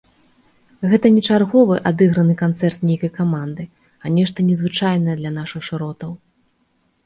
Гэта не чарговы адыграны канцэрт нейкай каманды, а нешта незвычайнае для нашых шыротаў.